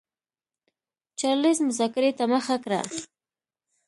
چارلېز مذاکرې ته مخه کړه.